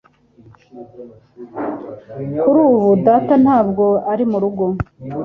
Kuri ubu data ntabwo ari murugo.